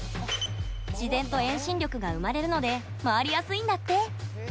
自然と遠心力が生まれるので回りやすいんだって。